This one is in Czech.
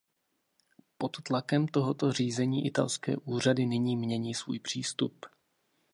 Pod tlakem tohoto řízení italské úřady nyní mění svůj přístup.